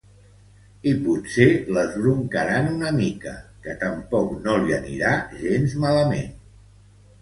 I potser l'esbrocaran una mica, que tampoc no li anirà gens malament.